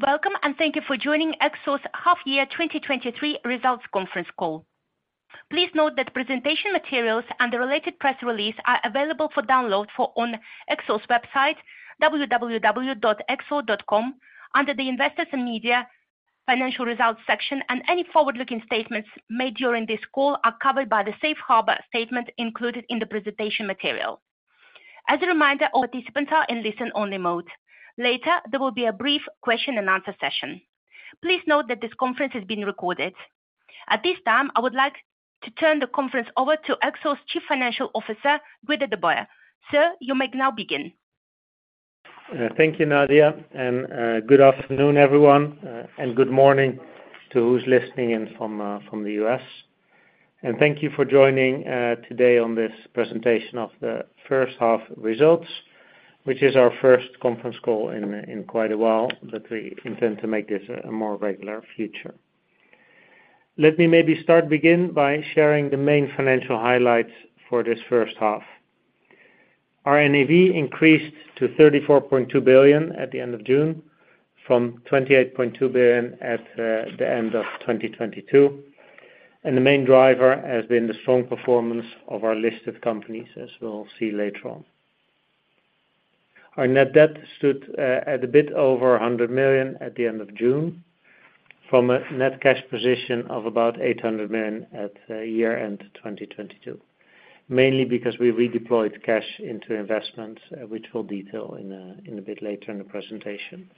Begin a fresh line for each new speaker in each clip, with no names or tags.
Welcome, and thank you for joining Exor's half-year 2023 Results Conference Call. Please note that presentation materials and the related press release are available for download on Exor's website, www.exor.com, under the Investors and Media Financial Results section, and any forward-looking statements made during this call are covered by the safe harbor statement included in the presentation material. As a reminder, all participants are in listen-only mode. Later, there will be a brief question and answer session. Please note that this conference is being recorded. At this time, I would like to turn the conference over to Exor's Chief Financial Officer, Guido de Boer. Sir, you may now begin.
Thank you, Nadia, and good afternoon, everyone, and good morning to who's listening in from the US. And thank you for joining today on this presentation of the first half results, which is our first conference call in quite a while, but we intend to make this a more regular feature. Let me maybe start by sharing the main financial highlights for this first half. Our NAV increased to 34.2 billion at the end of June, from 28.2 billion at the end of 2022, and the main driver has been the strong performance of our list of companies, as we'll see later on. Our net debt stood at a bit over 100 million at the end of June, from a net cash position of about 800 million at year-end 2022. Mainly because we redeployed cash into investments, which we'll detail in a bit later in the presentation.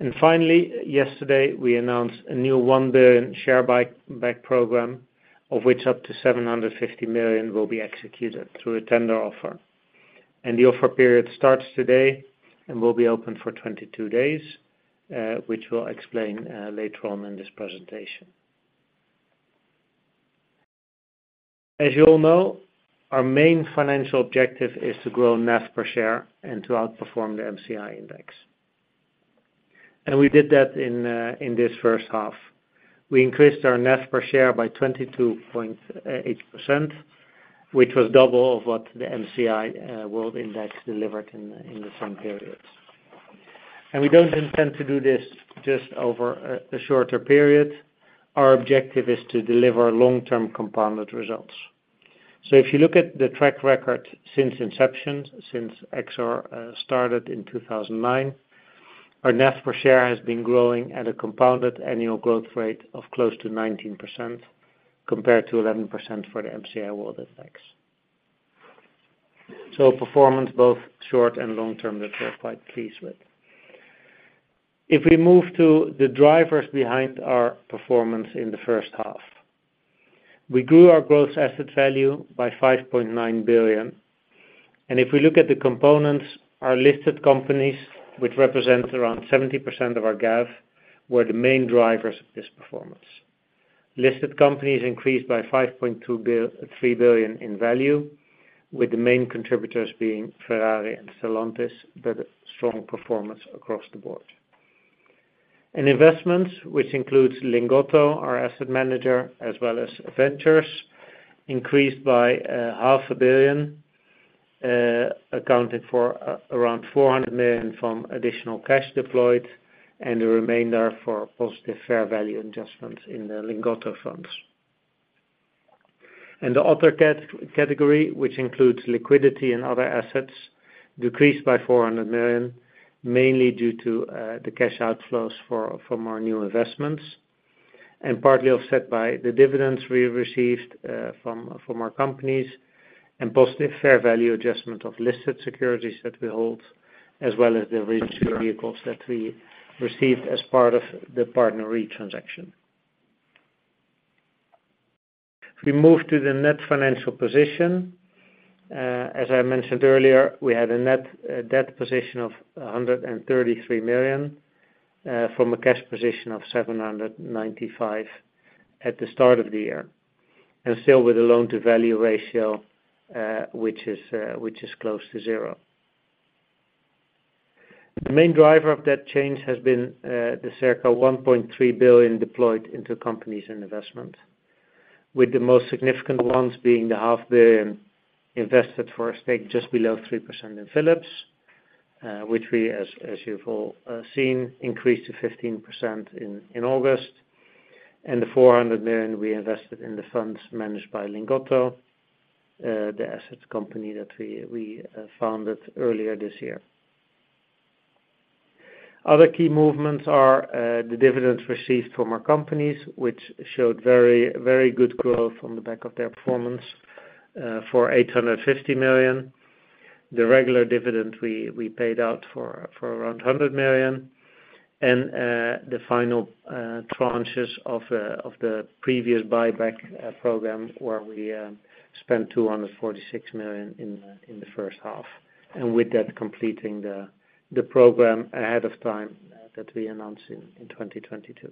And finally, yesterday, we announced a new 1 billion share buyback program, of which up to 750 million will be executed through a tender offer. And the offer period starts today and will be open for 22 days, which we'll explain later on in this presentation. As you all know, our main financial objective is to grow NAV per share and to outperform the MSCI Index. And we did that in this first half. We increased our NAV per share by 22.8%, which was double of what the MSCI World Index delivered in the same period. And we don't intend to do this just over a shorter period. Our objective is to deliver long-term compounded results. So if you look at the track record since inception, since Exor started in 2009, our NAV per share has been growing at a compounded annual growth rate of close to 19%, compared to 11% for the MSCI World Index. So performance, both short and long term, that we're quite pleased with. If we move to the drivers behind our performance in the first half, we grew our gross asset value by 5.9 billion. And if we look at the components, our listed companies, which represent around 70% of our GAV, were the main drivers of this performance. Listed companies increased by 3 billion in value, with the main contributors being Ferrari and Stellantis, but strong performance across the board. In investments, which includes Lingotto, our asset manager, as well as ventures, increased by half a billion, accounted for around 400 million from additional cash deployed and the remainder for positive fair value adjustments in the Lingotto funds. The other category, which includes liquidity and other assets, decreased by 400 million, mainly due to the cash outflows from our new investments, and partly offset by the dividends we received from our companies, and positive fair value adjustment of listed securities that we hold, as well as the recent vehicles that we received as part of the PartnerRe transaction. If we move to the net financial position, as I mentioned earlier, we had a net debt position of 133 million from a cash position of 795 million at the start of the year, and still with a loan-to-value ratio which is close to zero. The main driver of that change has been the circa 1.3 billion deployed into companies and investment, with the most significant ones being the 500 million invested for a stake just below 3% in Philips, which we, as you've all seen, increased to 15% in August, and the 400 million we invested in the funds managed by Lingotto, the assets company that we founded earlier this year. Other key movements are the dividends received from our companies, which showed very, very good growth on the back of their performance for 850 million. The regular dividend we paid out for around 100 million, and the final tranches of the previous buyback program, where we spent 246 million in the first half, and with that, completing the program ahead of time that we announced in 2022.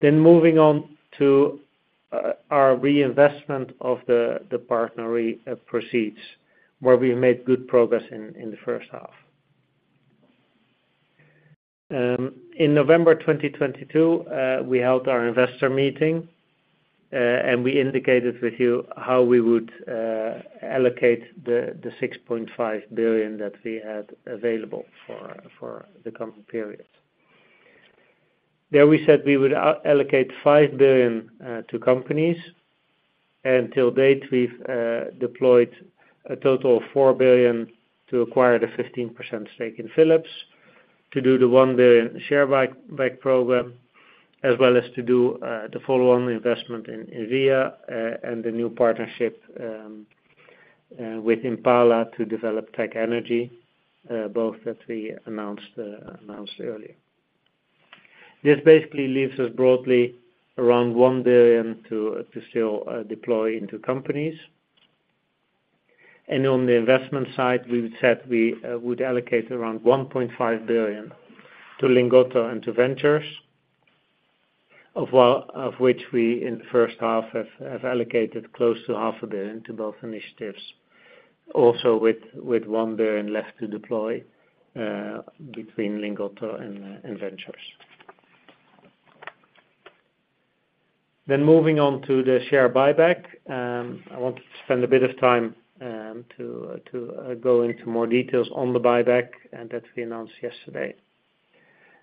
Then moving on to our reinvestment of the PartnerRe proceeds, where we made good progress in the first half. In November 2022, we held our investor meeting and we indicated with you how we would allocate the 6.5 billion that we had available for the coming periods. There we said we would allocate 5 billion to companies, and till date, we've deployed a total of 4 billion to acquire the 15% stake in Philips, to do the 1 billion share buyback program, as well as to do the follow-on investment in EVEA, and the new partnership with Impala to develop tech energy, both that we announced earlier. This basically leaves us broadly around 1 billion to still deploy into companies. And on the investment side, we've said we would allocate around 1.5 billion to Lingotto and to ventures, of which we, in the first half, have allocated close to 0.5 billion to both initiatives. Also, with 1 billion left to deploy between Lingotto and ventures. Then moving on to the share buyback. I wanted to spend a bit of time to go into more details on the buyback, and that we announced yesterday.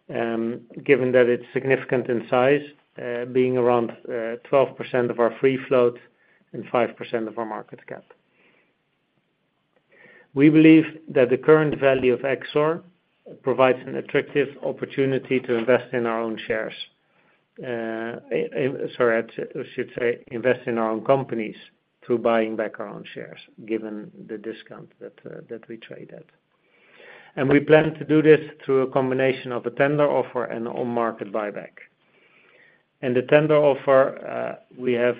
Given that it's significant in size, being around 12% of our free float and 5% of our market cap. We believe that the current value of Exor provides an attractive opportunity to invest in our own shares. Sorry, I should say, invest in our own companies through buying back our own shares, given the discount that we trade at. We plan to do this through a combination of a tender offer and on-market buyback. The tender offer we have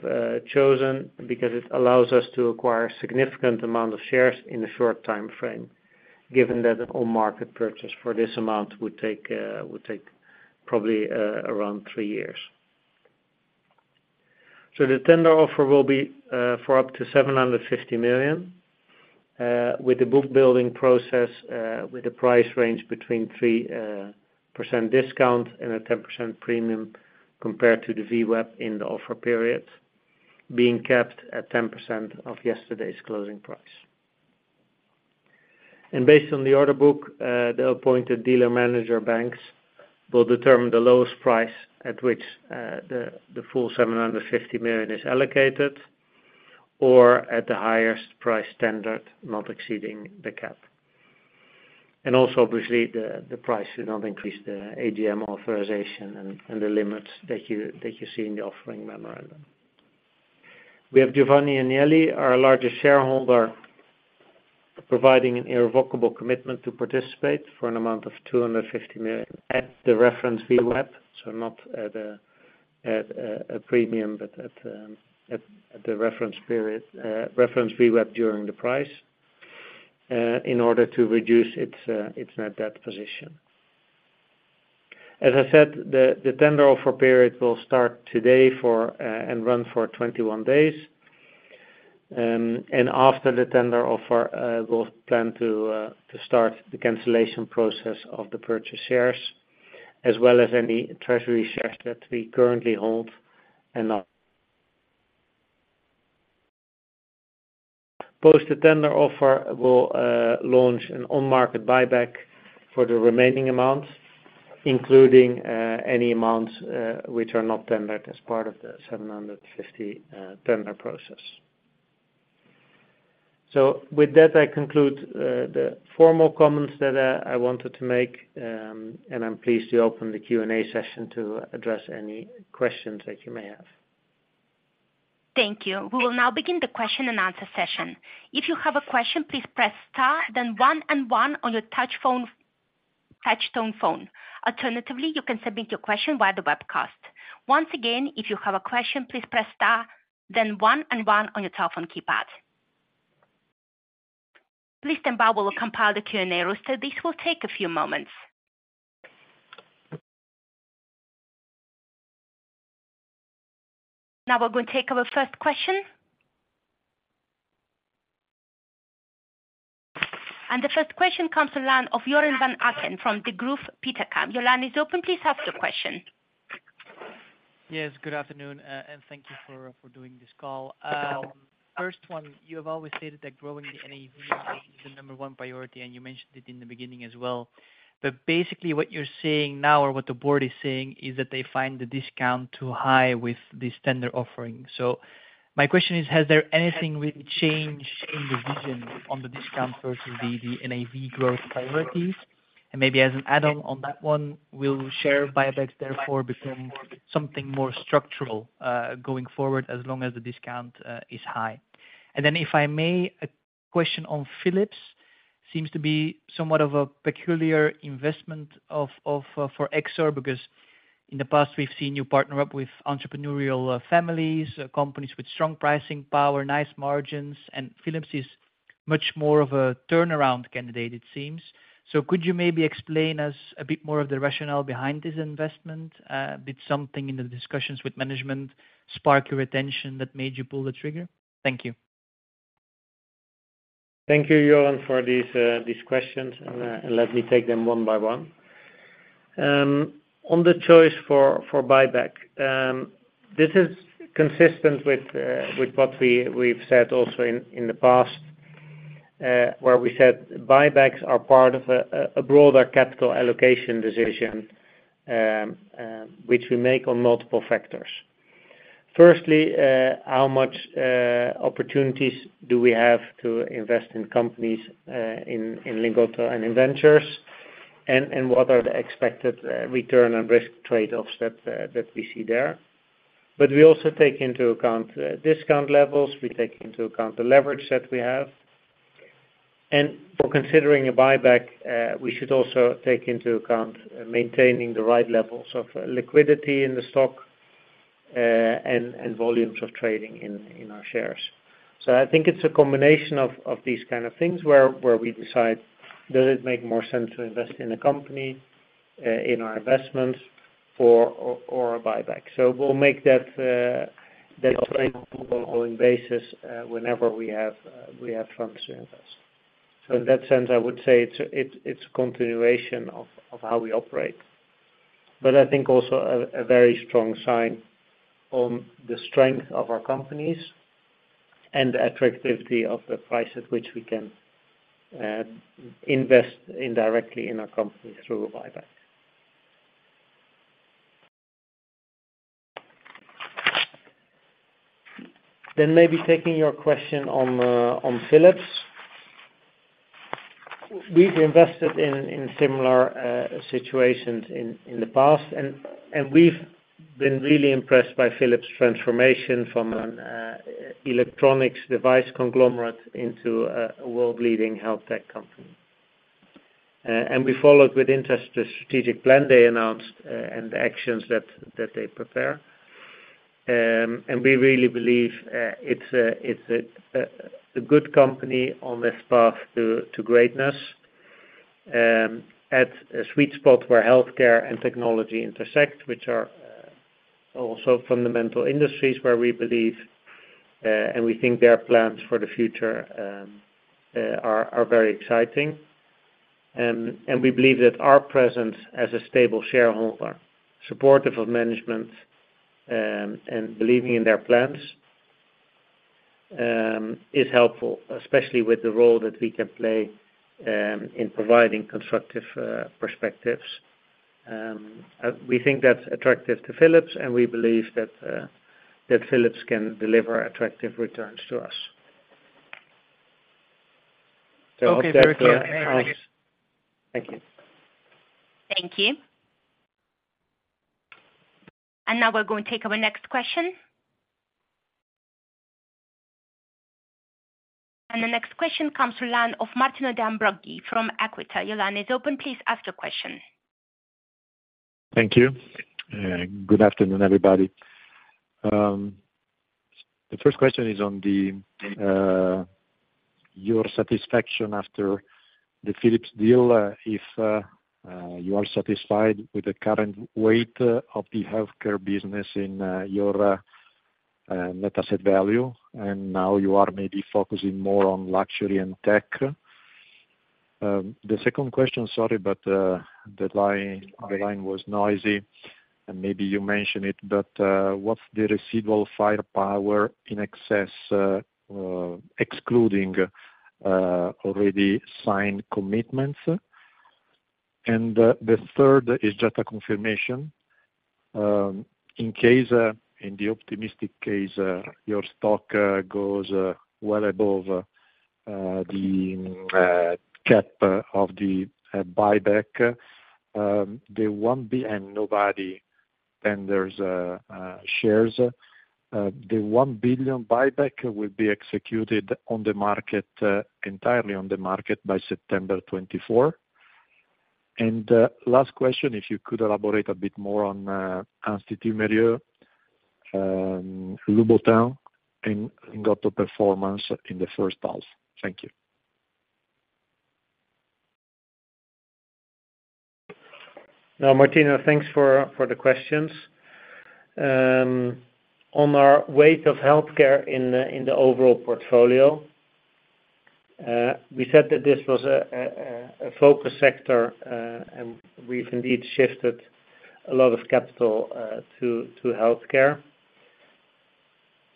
chosen because it allows us to acquire a significant amount of shares in a short time frame, given that an on-market purchase for this amount would take probably around three years. The tender offer will be for up to 750 million with the book building process with a price range between 3% discount and a 10% premium compared to the VWAP in the offer period, being capped at 10% of yesterday's closing price. Based on the order book, the appointed dealer manager banks will determine the lowest price at which the full 750 million is allocated, or at the highest price standard, not exceeding the cap. Also, obviously, the price should not increase the AGM authorization and the limits that you see in the offering memorandum. We have Giovanni Agnelli B.V., our largest shareholder, providing an irrevocable commitment to participate for an amount of 250 million at the reference VWAP, so not at a premium, but at the reference period reference VWAP during the price, in order to reduce its net debt position. As I said, the tender offer period will start today and run for 21 days. And after the tender offer, we'll plan to start the cancellation process of the purchase shares, as well as any treasury shares that we currently hold and not. Post the tender offer, we'll launch an on-market buyback for the remaining amounts, including any amounts which are not tendered as part of the 750 tender process. So with that, I conclude the formal comments that I wanted to make, and I'm pleased to open the Q&A session to address any questions that you may have.
Thank you. We will now begin the question and answer session. If you have a question, please press star, then one and one on your touch phone, touch tone phone. Alternatively, you can submit your question via the webcast. Once again, if you have a question, please press star, then one and one on your telephone keypad. Please stand by, we will compile the Q&A roster. This will take a few moments. Now we're going to take our first question. The first question comes to the line of Joren Van Aken from Degroof Petercam. Your line is open. Please ask your question.
Yes, good afternoon, and thank you for, for doing this call. First one, you have always stated that growing the NAV is the number one priority, and you mentioned it in the beginning as well. But basically, what you're saying now or what the board is saying, is that they find the discount too high with this tender offering. So my question is, has there anything really changed in the vision on the discount versus the, the NAV growth priorities? And maybe as an add-on on that one, will share buybacks therefore become something more structural, going forward, as long as the discount, is high? And then, if I may, a question on Philips. Seems to be somewhat of a peculiar investment for Exor, because in the past we've seen you partner up with entrepreneurial families, companies with strong pricing power, nice margins, and Philips is much more of a turnaround candidate, it seems. So could you maybe explain us a bit more of the rationale behind this investment? Did something in the discussions with management spark your attention that made you pull the trigger? Thank you.
Thank you, Joren, for these questions, and let me take them one by one. On the choice for buyback, this is consistent with what we've said also in the past, where we said buybacks are part of a broader capital allocation decision, which we make on multiple factors. Firstly, how much opportunities do we have to invest in companies in Lingotto and in ventures? And what are the expected return on risk trade-offs that we see there? But we also take into account discount levels, we take into account the leverage that we have. And for considering a buyback, we should also take into account maintaining the right levels of liquidity in the stock, and volumes of trading in our shares. So I think it's a combination of these kind of things where we decide, does it make more sense to invest in a company in our investments or a buyback? So we'll make that trade on an ongoing basis, whenever we have funds to invest. So in that sense, I would say it's a continuation of how we operate. But I think also a very strong sign on the strength of our companies and the attractiveness of the price at which we can invest indirectly in our company through a buyback. Then maybe taking your question on Philips. We've invested in similar situations in the past, and we've been really impressed by Philips' transformation from an electronics device conglomerate into a world-leading health tech company. And we followed with interest the strategic plan they announced, and the actions that they prepare. And we really believe it's a good company on this path to greatness, at a sweet spot where healthcare and technology intersect, which are also fundamental industries where we believe, and we think their plans for the future are very exciting. And we believe that our presence as a stable shareholder, supportive of management, and believing in their plans, is helpful, especially with the role that we can play in providing constructive perspectives. We think that's attractive to Philips, and we believe that Philips can deliver attractive returns to us.
Okay, very clear.
Thank you.
Thank you. Now we're going to take our next question. The next question comes to line of Martino Ambroggi from Equita. Your line is open, please ask your question.
Thank you. Good afternoon, everybody. The first question is on your satisfaction after the Philips deal, if you are satisfied with the current weight of the healthcare business in your net asset value, and now you are maybe focusing more on luxury and tech. The second question, sorry, but the line, the line was noisy, and maybe you mentioned it, but what's the residual firepower in Exor excluding already signed commitments? And the third is just a confirmation. In case, in the optimistic case, your stock goes well above the cap of the buyback, the 1 billion buyback and nobody tenders shares, the 1 billion buyback will be executed on the market, entirely on the market by September 2024. And, last question, if you could elaborate a bit more on Institut Mérieux, Louboutin, and Lingotto performance in the first half. Thank you.
Now, Martino, thanks for the questions. On our weight of healthcare in the overall portfolio, we said that this was a focus sector, and we've indeed shifted a lot of capital to healthcare.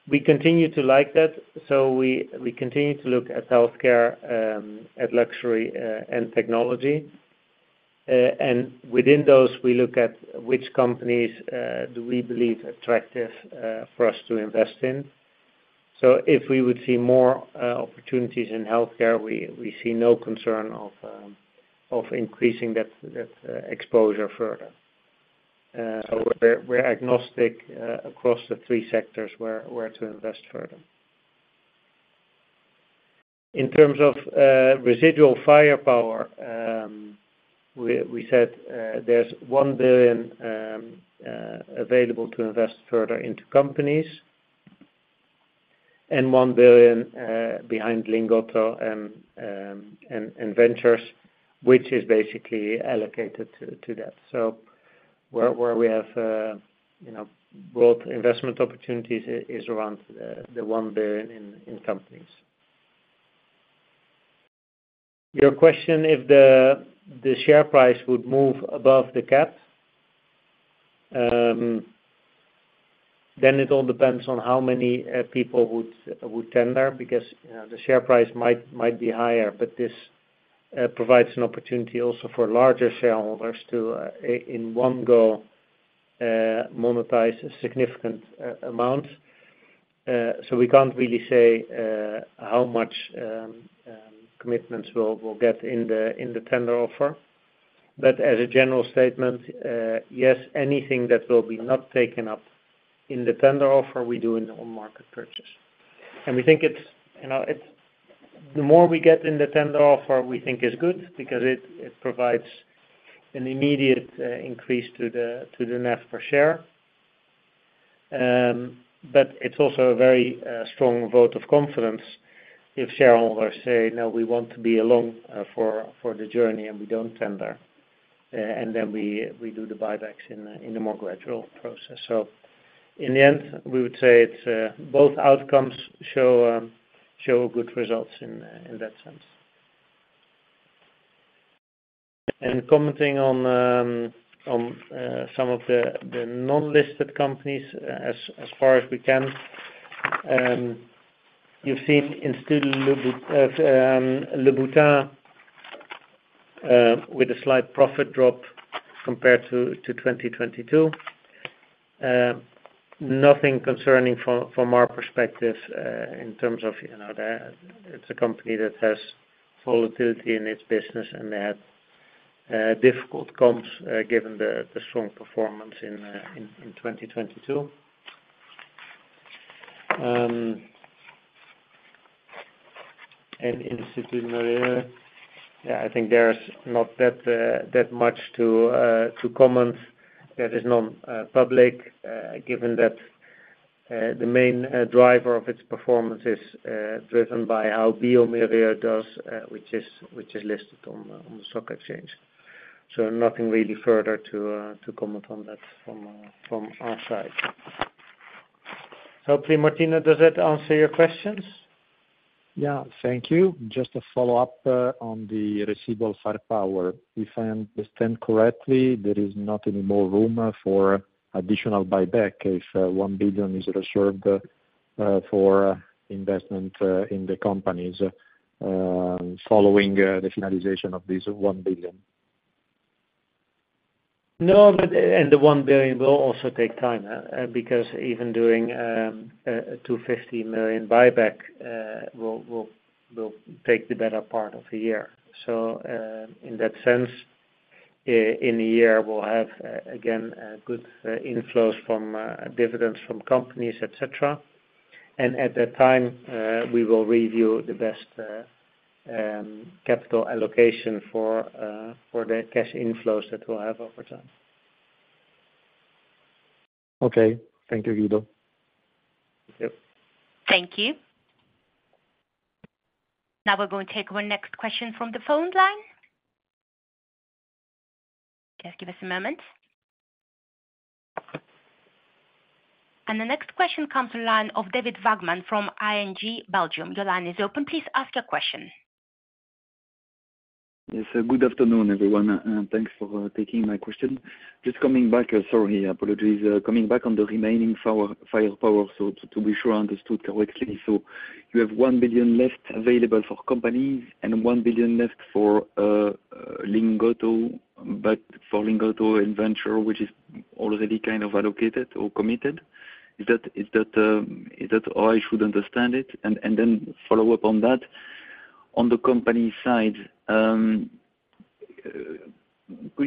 We continue to like that, so we continue to look at healthcare, at luxury, and technology. And within those, we look at which companies do we believe attractive for us to invest in. So if we would see more opportunities in healthcare, we see no concern of increasing that exposure further. So we're agnostic across the three sectors where to invest further. In terms of residual firepower, we said there's 1 billion available to invest further into companies, and 1 billion behind Lingotto and ventures, which is basically allocated to that. Where we have you know both investment opportunities is around the 1 billion in companies. Your question, if the share price would move above the cap, then it all depends on how many people would tender, because you know the share price might be higher, but this provides an opportunity also for larger shareholders to in one go monetize a significant amount. So we can't really say how much commitments we'll get in the tender offer. But as a general statement, yes, anything that will be not taken up in the tender offer, we do in the on-market purchase. And we think it's, you know, it's the more we get in the tender offer, we think is good, because it provides an immediate increase to the net per share. But it's also a very strong vote of confidence if shareholders say, "No, we want to be along for the journey, and we don't tender." And then we do the buybacks in a more gradual process. So in the end, we would say it's both outcomes show good results in that sense. Commenting on some of the non-listed companies, as far as we can, you've seen in the Louboutin with a slight profit drop compared to 2022. Nothing concerning from our perspective, in terms of, you know. It's a company that has volatility in its business, and they had difficult comps, given the strong performance in 2022. In Institut Mérieux, yeah, I think there's not that much to comment that is non-public, given that the main driver of its performance is driven by how bioMérieux does, which is listed on the stock exchange. So nothing really further to comment on that from our side. Martino, does that answer your questions?
Yeah, thank you. Just a follow-up on the receivable firepower. If I understand correctly, there is not any more room for additional buyback if 1 billion is reserved for investment in the companies following the finalization of this 1 billion?
No, but the 1 billion will also take time, because even doing a 250 million buyback will take the better part of a year. So, in that sense, in a year, we'll have again a good inflows from dividends from companies, et cetera. And at that time, we will review the best capital allocation for the cash inflows that we'll have over time.
Okay. Thank you, Guido.
Yep.
Thank you. Now we're going to take our next question from the phone line. Just give us a moment. The next question comes to the line of David Vagman from ING Belgium. Your line is open. Please ask your question.
Yes, good afternoon, everyone, and thanks for taking my question. Just coming back, sorry, apologies. Coming back on the remaining firepower, so to be sure I understood correctly, so you have 1 billion left available for companies and 1 billion left for Lingotto, but for Lingotto venture, which is already kind of allocated or committed. Is that, is that how I should understand it? And, and then follow up on that, on the company side, could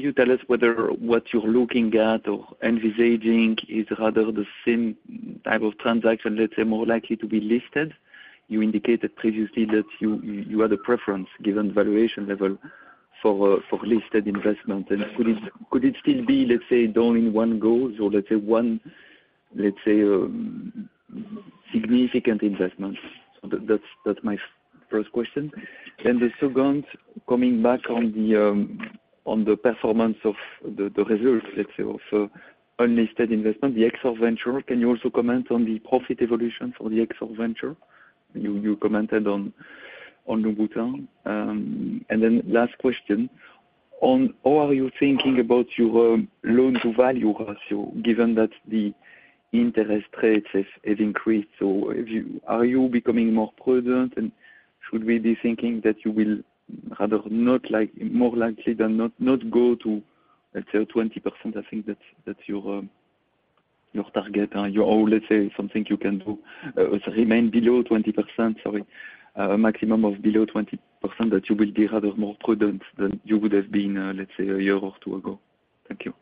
you tell us whether what you're looking at or envisaging is rather the same type of transaction that are more likely to be listed? You indicated previously that you, you had a preference given valuation level for listed investments. And could it, could it still be, let's say, done in one go, or let's say one, let's say, significant investment? So that's my first question. Then the second, coming back on the performance of the results, let's say, of unlisted investment, the Exor Ventures, can you also comment on the profit evolution for the Exor Ventures? You commented on Louboutin. And then last question, on how are you thinking about your loan-to-value ratio, given that the interest rates have increased? So if you are becoming more prudent, and should we be thinking that you will rather not like, more likely than not, not go to, let's say, 20%? I think that's your target, or let's say, something you can do, remain below 20%, sorry, maximum of below 20%, that you will be rather more prudent than you would have been, let's say, a year or two ago. Thank you.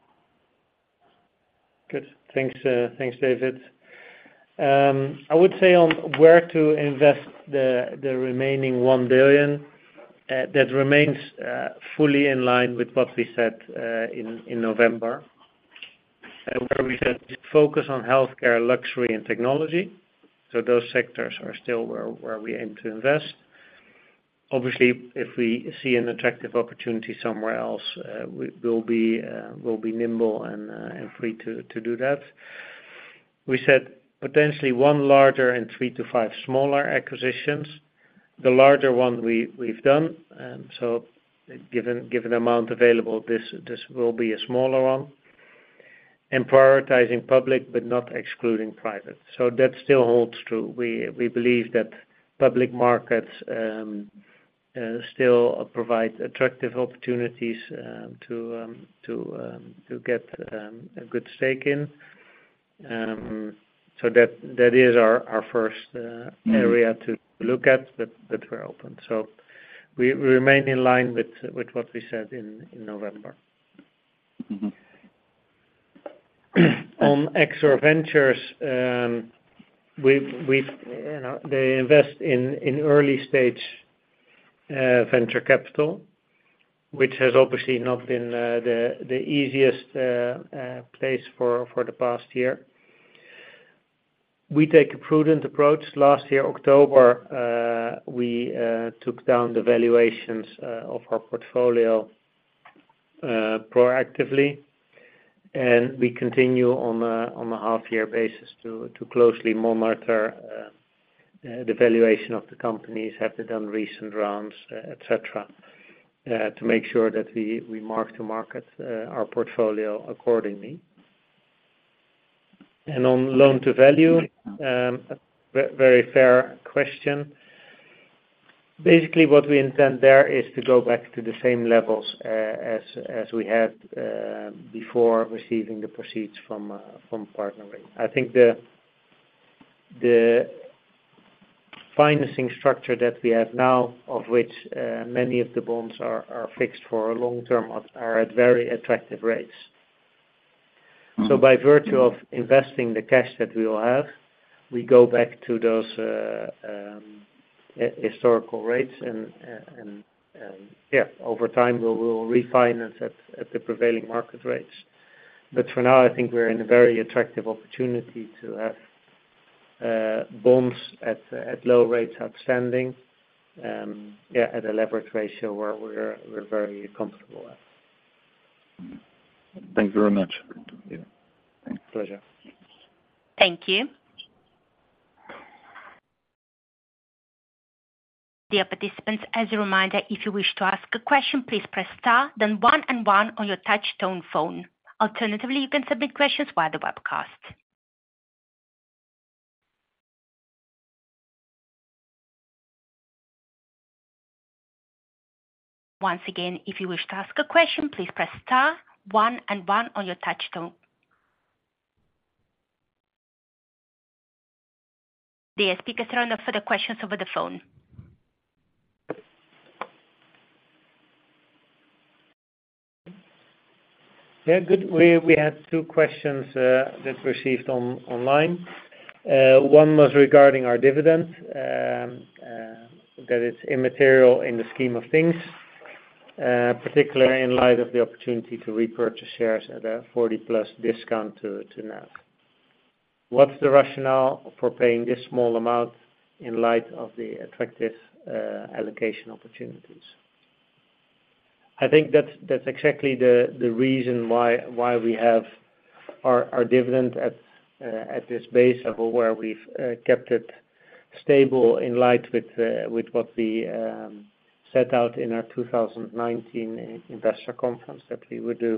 Good. Thanks, thanks, David. I would say on where to invest the remaining 1 billion, that remains fully in line with what we said in November, where we said focus on healthcare, luxury, and technology. So those sectors are still where we aim to invest. Obviously, if we see an attractive opportunity somewhere else, we will be, we'll be nimble and free to do that. We said potentially one larger and three-five smaller acquisitions. The larger one we've done, and so given the amount available, this will be a smaller one. Prioritizing public, but not excluding private. So that still holds true. We believe that public markets still provide attractive opportunities to get a good stake in. So that is our first area to look at, but we're open. So we remain in line with what we said in November.
Mm-hmm.
On Exor Ventures, we've, you know, they invest in early stage venture capital, which has obviously not been the easiest place for the past year. We take a prudent approach. Last year, October, we took down the valuations of our portfolio proactively, and we continue on a half year basis to closely monitor the valuation of the companies, have they done recent rounds, et cetera, to make sure that we mark to market our portfolio accordingly. And on loan to value, very fair question. Basically, what we intend there is to go back to the same levels as we had before receiving the proceeds from partnering. I think the financing structure that we have now, of which many of the bonds are fixed for long-term, are at very attractive rates.
Mm-hmm.
So by virtue of investing the cash that we will have, we go back to those historical rates, and yeah, over time, we will refinance at the prevailing market rates. But for now, I think we're in a very attractive opportunity to have bonds at low rates outstanding, yeah, at a leverage ratio where we're very comfortable at.
Thank you very much.
Yeah. Pleasure.
Thank you. Dear participants, as a reminder, if you wish to ask a question, please press star, then one and one on your touch tone phone. Alternatively, you can submit questions via the webcast. Once again, if you wish to ask a question, please press star, one and one on your touch tone. The speakers are now up for the questions over the phone.
Yeah, good. We had two questions that we received online. One was regarding our dividend, that it's immaterial in the scheme of things, particularly in light of the opportunity to repurchase shares at a 40+ discount to NAV. What's the rationale for paying this small amount in light of the attractive allocation opportunities? I think that's exactly the reason why we have our dividend at this base level, where we've kept it stable in line with what we set out in our 2019 investor conference, that we would do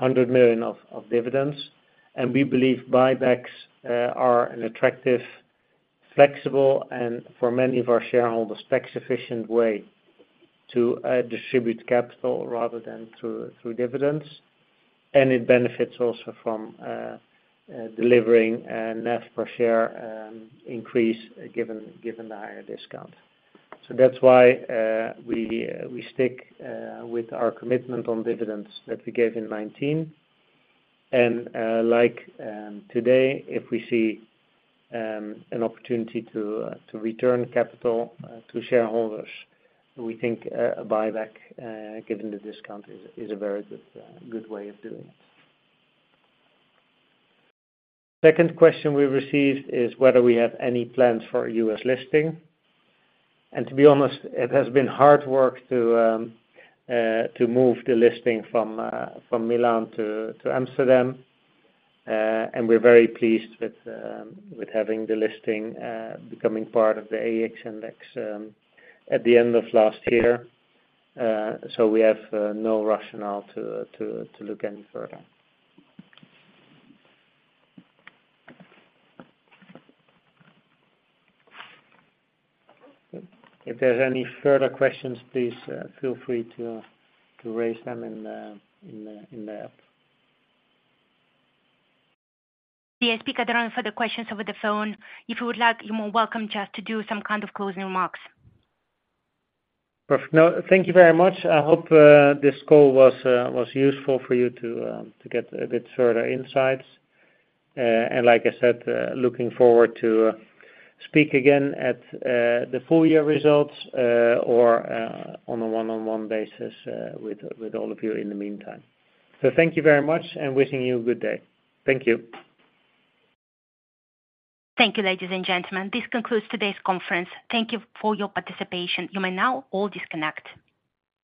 100 million of dividends. And we believe buybacks are an attractive, flexible, and for many of our shareholders, tax-efficient way to distribute capital rather than through dividends. And it benefits also from delivering a NAV per share increase, given, given the higher discount. So that's why we, we stick with our commitment on dividends that we gave in 2019. And, like, today, if we see an opportunity to, to return capital to shareholders, we think a buyback, given the discount, is, is a very good, good way of doing it. Second question we received is whether we have any plans for a U.S. listing. And to be honest, it has been hard work to, to move the listing from, from Milan to, to Amsterdam. And we're very pleased with, with having the listing becoming part of the AEX index at the end of last year. So we have no rationale to look any further. If there's any further questions, please feel free to raise them in the app.
The speakers are on for the questions over the phone. If you would like, you are welcome just to do some kind of closing remarks.
Perfect. No, thank you very much. I hope this call was useful for you to get a bit further insights. And like I said, looking forward to speak again at the full year results, or on a one-on-one basis with all of you in the meantime. So thank you very much, and wishing you a good day. Thank you.
Thank you, ladies and gentlemen. This concludes today's conference. Thank you for your participation. You may now all disconnect.